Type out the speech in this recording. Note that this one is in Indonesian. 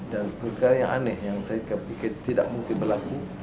dan perkara yang aneh yang saya pikir tidak mungkin berlaku